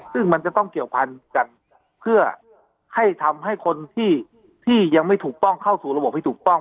ซึ่งมันจะต้องเกี่ยวพันกันเพื่อให้ทำให้คนที่ยังไม่ถูกต้องเข้าสู่ระบบให้ถูกต้อง